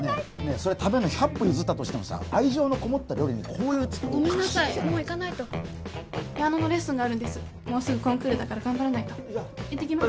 それ食べんの百歩譲ったとしてもさ愛情のこもった料理にこういうごめんなさいもう行かないとピアノのレッスンがあるんですもうすぐコンクールだから頑張らないと行ってきます